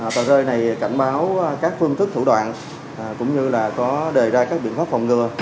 tờ rơi này cảnh báo các phương thức thủ đoạn cũng như là có đề ra các biện pháp phòng ngừa